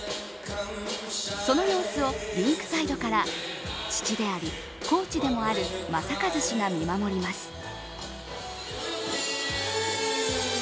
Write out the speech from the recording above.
その様子をリンクサイドから父でありコーチでもある正和氏が見守ります。